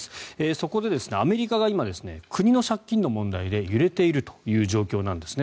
そこでアメリカが今、国の借金の問題で揺れているという状態なんですね。